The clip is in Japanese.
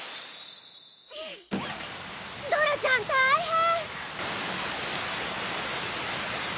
ドラちゃん大変！